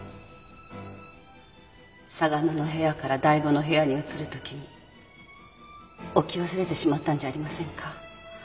嵯峨野の部屋から醍醐の部屋に移るときに置き忘れてしまったんじゃありませんか？